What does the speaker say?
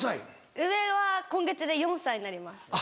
上は今月で４歳になります。